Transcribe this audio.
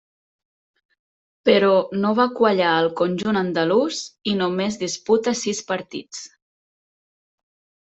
Però, no va quallar al conjunt andalús, i només disputa sis partits.